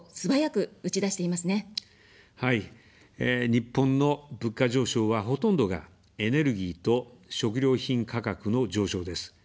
日本の物価上昇は、ほとんどがエネルギーと食料品価格の上昇です。